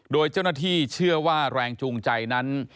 โดยเจ้าหน้าที่เชื่อว่าแรงจูงใจนั้น